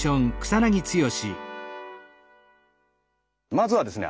まずはですね